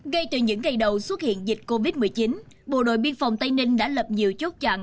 gây từ những ngày đầu xuất hiện dịch covid một mươi chín bộ đội biên phòng tây ninh đã lập nhiều chốt chặn